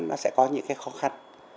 nó sẽ có những khó khăn